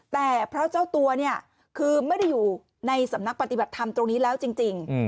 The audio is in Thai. แต่เพราะเจ้าตัวเนี่ยคือไม่ได้อยู่ในสำนักปฏิบัติธรรมตรงนี้แล้วจริง